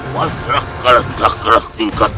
mantra kalacakra tingkat dua